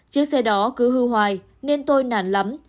chiếc xe đó cứ hư hoài nên tôi nản lắm